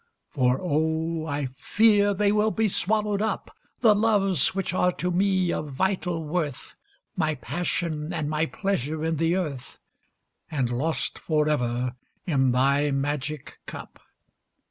For oh, I fear they will be swallowed up The loves which are to me of vital worth, My passion and my pleasure in the earth And lost forever in thy magic cup!